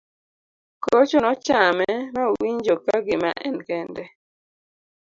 kocho nochame ma owinjo ka gima en kende